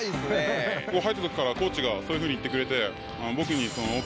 入った時からコーチがそういうふうに言ってくれて。